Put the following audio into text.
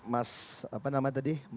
mas apa nama tadi